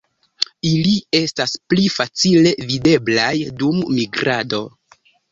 Ili estas pli facile videblaj dum migrado.